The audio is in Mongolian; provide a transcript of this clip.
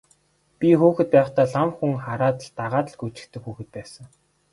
Би хүүхэд байхдаа лам хүн хараад л дагаад гүйчихдэг хүүхэд байсан.